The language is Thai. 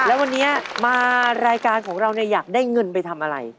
แล้ววันนี้มารายการของเราอยากได้เงินไปทำอะไร